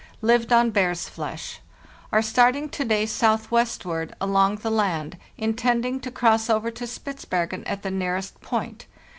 Lived on bear's flesh. Are starting to day southwestward along the land, in tending to cross over to Spitzbergen at the nearest point.